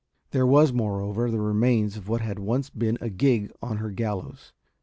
There was, moreover, the remains of what had once been a gig on her gallows.